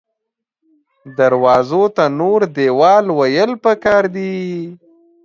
دروازو ته نور دیوال ویل پکار دې